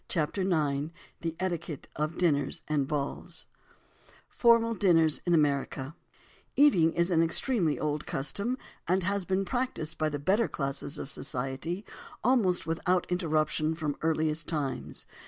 _ CHAPTER NINE: THE ETIQUETTE OF DINNERS AND BALLS FORMAL DINNERS IN AMERICA Eating is an extremely old custom and has been practiced by the better classes of society almost without interruption from earliest times.